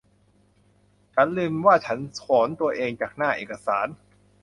ฉันลืมว่าฉันสอนตัวเองจากหน้าเอกสาร